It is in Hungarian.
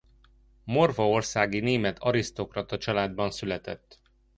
Morvaországi német arisztokrata családban született.